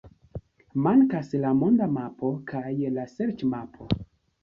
Mankas la monda mapo kaj la serĉmapo.